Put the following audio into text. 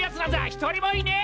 一人もいねえ！